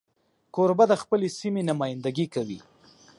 کوربه د خپلې سیمې نمایندګي کوي.